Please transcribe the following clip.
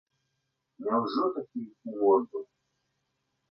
Няўжо такі ў морду?